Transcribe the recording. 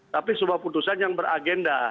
tapi sebuah putusan yang beragenda